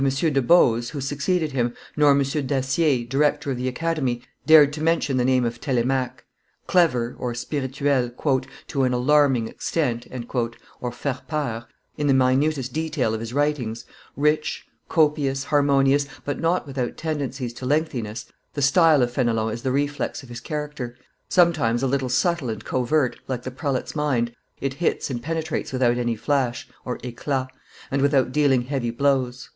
de Boze, who succeeded him, nor M. Dacier, director of the Academy, dared to mention the name of Telemaque. Clever (spirituel) "to an alarming extent" (faire peur) in the minutest detail of his writings, rich, copious, harmonious, but not without tendencies to lengthiness, the style of Fenelon is the reflex of his character; sometimes, a little subtle and covert, like the prelate's mind, it hits and penetrates without any flash (eclat) and without dealing heavy blows.